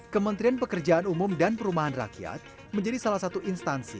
kementerian pekerjaan umum dan perumahan rakyat menjadi salah satu instansi